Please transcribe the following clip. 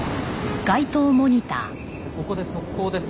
「ここで速報です」